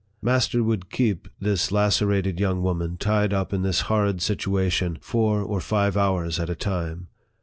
Master would keep this lacerated young woman tied up in this horrid situation four or five hours at a time.